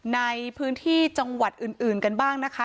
ในพื้นที่จังหวัดอื่นกันบ้างนะคะ